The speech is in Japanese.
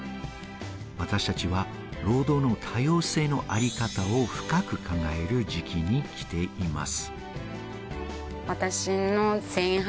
私たちは労働の多様性のあり方を深く考える時期に来ています。